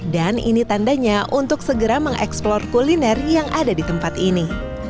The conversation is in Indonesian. ini tandanya untuk segera mengeksplor kuliner yang ada di tempat ini